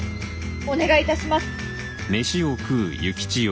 お願いいたします。